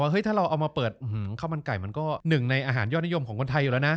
เฮ้ยถ้าเราเอามาเปิดข้าวมันไก่มันก็หนึ่งในอาหารยอดนิยมของคนไทยอยู่แล้วนะ